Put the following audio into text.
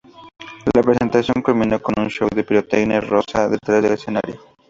La presentación culminó con un show de pirotecnia rosa detrás del escenario.